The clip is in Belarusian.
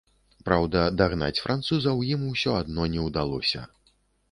Праўда, дагнаць французаў ім усё адно не ўдалося.